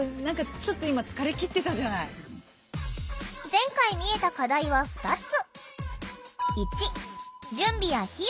前回見えた課題は２つ。